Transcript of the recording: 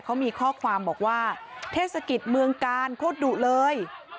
เขามีข้อความบอกว่าเทศกิจเมืองกาลโคตรดุเลย